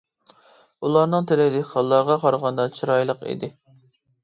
ئۇلارنىڭ تىلى دېھقانلارغا قارىغاندا چىرايلىق ئىدى.